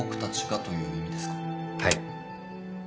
はい。